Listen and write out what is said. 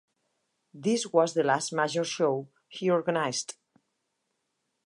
This was the last major show he organised.